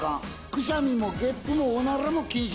くしゃみもゲップもおならも禁止！